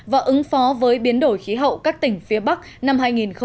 và ứng phó với biến đổi khí hậu các tỉnh phía bắc năm hai nghìn một mươi tám